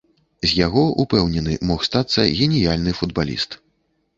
З яго, упэўнены, мог стацца геніяльны футбаліст.